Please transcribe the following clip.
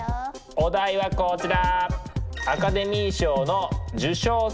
お題はこちら！